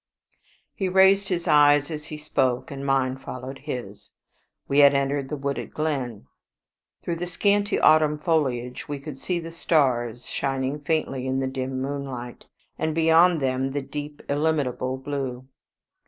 He raised his eyes as he spoke, and mine followed his. We had entered the wooded glen. Through the scanty autumn foliage we could see the stars shining faintly in the dim moonlight, and beyond them the deep illimitable blue.